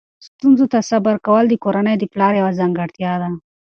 ستونزو ته صبر کول د کورنۍ د پلار یوه ځانګړتیا ده.